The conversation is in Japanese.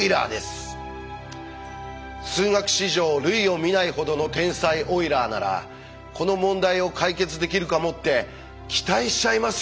数学史上類を見ないほどの天才オイラーならこの問題を解決できるかもって期待しちゃいますよね。